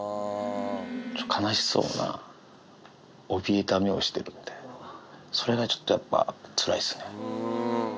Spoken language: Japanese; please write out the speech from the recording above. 悲しそうなおびえた目をしてるんで、それがちょっとやっぱ、つらいっすね。